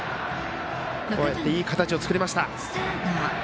こうやって、いい形を作りました。